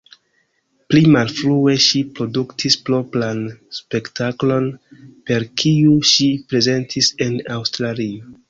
Pli malfrue ŝi produktis propran spektaklon, per kiu ŝi prezentis en Aŭstralio.